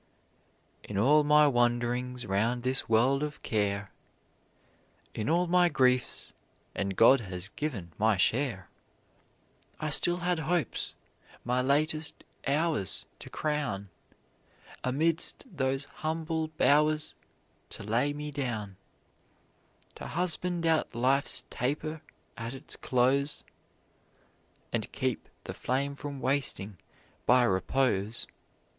"In all my wand'rings round this world of care, In all my griefs and God has given my share I still had hopes, my latest hours to crown, Amidst those humble bowers to lay me down; To husband out life's taper at its close, And keep the flame from wasting by repose.